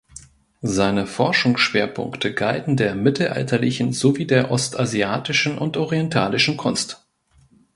Seine Forschungsschwerpunkte galten der mittelalterlichen sowie der ostasiatischen und orientalischen Kunst.